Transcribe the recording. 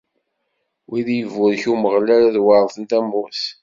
Wid iburek Umeɣlal ad weṛten tamurt.